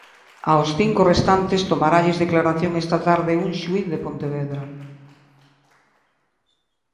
Aos cinco restantes tomaralles declaración esta tarde un xuíz de Pontevedra.